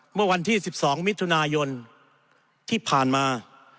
เมื่อวันที่๑๒มิถุนายนที่ผ่านมา